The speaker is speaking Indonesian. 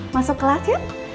masuk kelas yuk